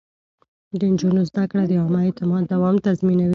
د نجونو زده کړه د عامه اعتماد دوام تضمينوي.